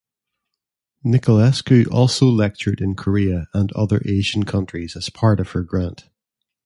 Nicolescu also lectured in Korea and other Asian countries as part of her grant.